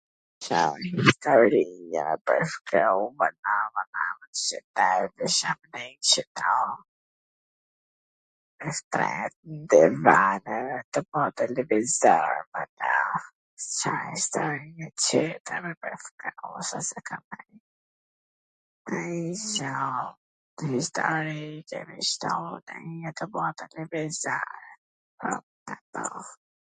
Car istori ....?????... shtrihet n divan edhe tu pa televizor ... a, Ca istori...